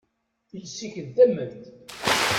Iles-ik, d tament!